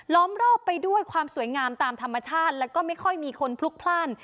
้อมรอบไปด้วยความสวยงามตามธรรมชาติแล้วก็ไม่ค่อยมีคนพลุกพลาด